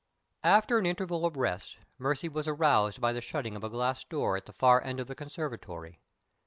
After an interval of rest Mercy was aroused by the shutting of a glass door at the far end of the conservatory.